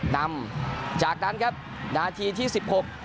นำจากนั้นครับนาทีที่๑๖